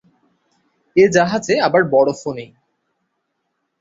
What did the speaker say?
এ জাহাজে আবার বরফও নেই।